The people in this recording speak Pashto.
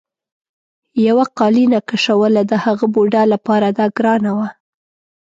یوه قالینه کشوله د هغه بوډا لپاره دا ګرانه وه.